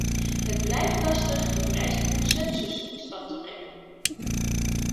Het blijft lastig de vereiste consensus tot stand te brengen.